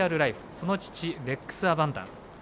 その父、レックレスアバンドン。